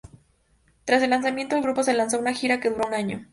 Tras el lanzamiento, el grupo se lanzó a una gira que duró un año.